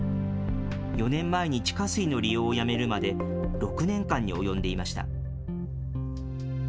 ４年前に地下水の利用をやめるまで、６年間に及んでいました。